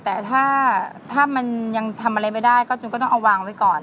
แต่ถ้ามันยังทำอะไรไม่ได้ก็จนก็ต้องเอาวางไว้ก่อน